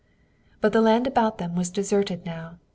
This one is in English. But the land about them was deserted now.